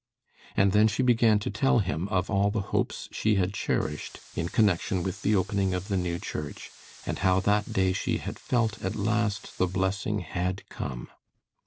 And then she began to tell him of all the hopes she had cherished in connection with the opening of the new church, and how that day she had felt at last the blessing had come.